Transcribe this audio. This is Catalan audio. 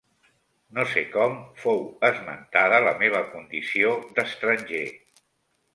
No sé com fou esmentada la meva condició d'estranger.